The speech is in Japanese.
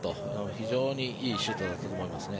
非常にいいシュートだったと思いますね。